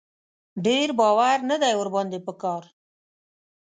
ډېر باور نه دی ور باندې په کار.